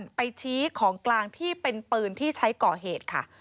ไปชี้ของกลางที่เป็นปืนที่ใช้ก่อเหตุค่ะ